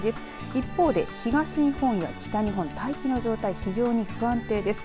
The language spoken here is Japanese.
一方で東日本や北日本大気の状態、非常に不安定です。